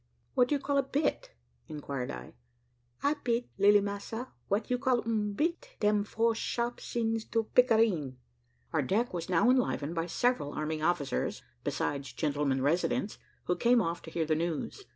"What do you call a bit?" inquired I. "A bit, lilly massa? what you call um bit? Dem four sharp shins to a pictareen." Our deck was now enlivened by several army officers, besides gentlemen residents, who came off to hear the news.